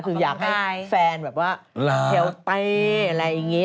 คืออยากให้แฟนแบบว่าเฮียวไปอะไรอย่างนี้